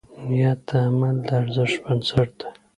نیت د عمل د ارزښت بنسټ دی.